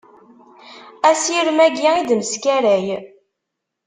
Asirem-agi i d-neskaray.